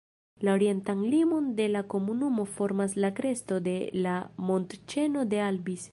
La orientan limon de la komunumo formas la kresto de la montĉeno de Albis.